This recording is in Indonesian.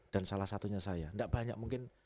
dan salah satunya saya tidak banyak mungkin